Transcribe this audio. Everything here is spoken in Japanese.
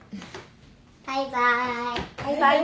バイバイ。